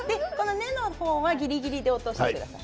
根の方はぎりぎり切り落としてください。